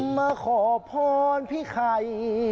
มาขอพ้อนพี่ไข่